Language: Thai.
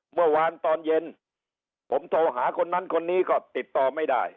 เมื่อวานตอนเย็นผมโทรหาคนนั้นคนนี้ก็ติดต่อไม่ได้